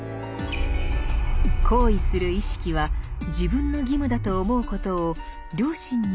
行為する意識は自分の義務だと思うことを良心に従って行動します。